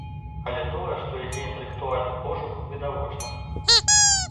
Але тое, што ідзе інтэлектуальны пошук, відавочна.